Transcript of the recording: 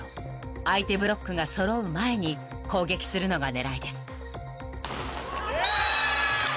［相手ブロックが揃う前に攻撃するのが狙いです］